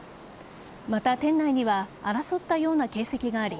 また、店内には争ったような形跡があり